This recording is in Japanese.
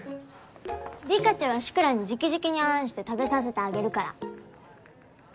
リカチは志倉に直々にあんして食べさせてあげるから。